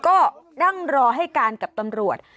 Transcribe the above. ก็นั่งรอให้การกับตำรวจ